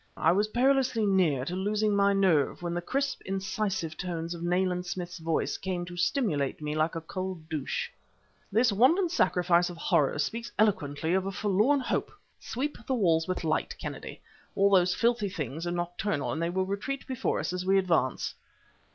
I was perilously near to losing my nerve when the crisp, incisive tones of Nayland Smith's voice came to stimulate me like a cold douche. "This wanton sacrifice of horrors speaks eloquently of a forlorn hope! Sweep the walls with light, Kennedy; all those filthy things are nocturnal and they will retreat before us as we advance."